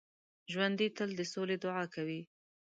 ژوندي تل د سولې دعا کوي